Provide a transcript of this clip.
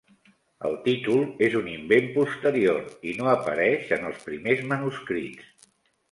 El títol és un invent posterior i no apareix en els primers manuscrits.